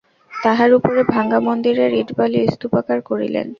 তাহার উপরে ভাঙা মন্দিরের ইঁট বালি স্তূপাকার করিলেন।